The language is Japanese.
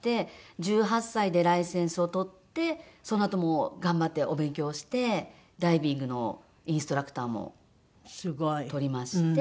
１８歳でライセンスを取ってそのあとも頑張ってお勉強をしてダイビングのインストラクターも取りまして。